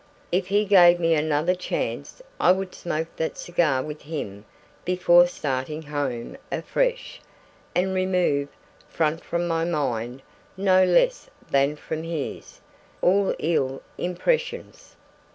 If he gave me another chance I would smoke that cigar with him before starting home afresh, and remove, from my own mind no less than from his, all ill impressions.